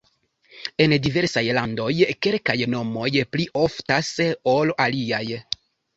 En diversaj landoj kelkaj nomoj pli oftas ol aliaj.